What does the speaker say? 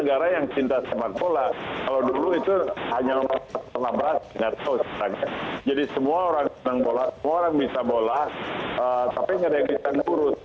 kolektif kolegial maksudnya bantu bantu